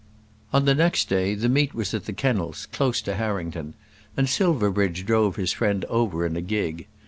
On the next day the meet was at the kennels, close to Harrington, and Silverbridge drove his friend over in a gig.